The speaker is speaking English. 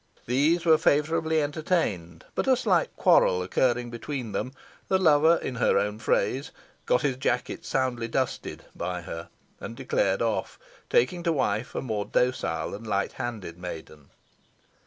These were favourably entertained, but a slight quarrel occurring between them, the lover, in her own phrase, got "his jacket soundly dusted" by her, and declared off, taking to wife a more docile and light handed maiden.